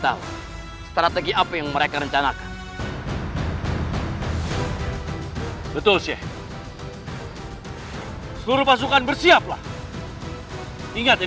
tahu strategi apa yang mereka rencanakan betul sih seluruh pasukan bersiaplah ingat yang